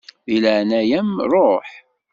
Di leɛnaya-m ṛuḥ!